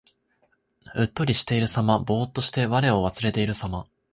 うっとりしているさま。ぼうっとして我を忘れているさま。